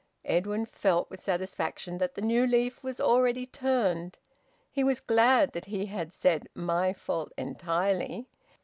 (Edwin felt with satisfaction that the new leaf was already turned. He was glad that he had said `My fault entirely.'